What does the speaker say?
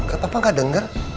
gak apa gak denger